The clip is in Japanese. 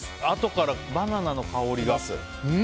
あとからバナナの香りが。